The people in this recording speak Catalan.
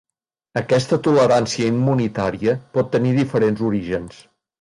Aquesta tolerància immunitària pot tenir diferents orígens.